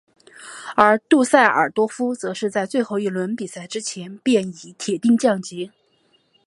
而杜塞尔多夫则是在最后一轮比赛之前便已铁定降级。